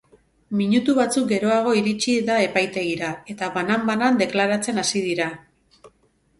Minutu batzuk geroago iritsi da epaitegira, eta banan-banan deklaratzen hasi dira.